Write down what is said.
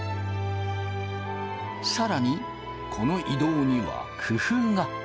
更にこの移動には工夫が。